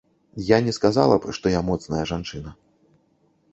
Я не сказала б, што я моцная жанчына.